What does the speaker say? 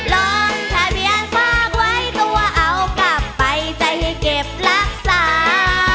ลงทะเบียนฝากไว้ก็ว่าเอากลับไปใจให้เก็บรักษา